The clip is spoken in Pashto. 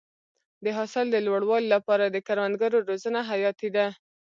د حاصل د لوړوالي لپاره د کروندګرو روزنه حیاتي ده.